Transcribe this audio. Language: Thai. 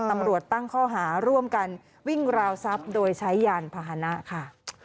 ตำรวจตั้งข้อหาร่วมกันวิ่งราวทรัพย์โดยใช้ยานพาหนะค่ะ